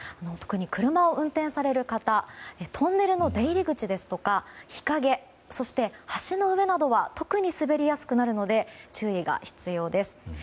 特に車を運転される方トンネルの出入り口ですとか日陰そして橋の上などは特に滑りやすくなるので注意が必要です。